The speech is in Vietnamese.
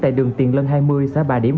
tại đường tiền lân hai mươi xã bà điểm